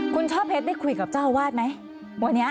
คุณชอบเพชรไปคุยกับเจ้าวาดไหมวันนี้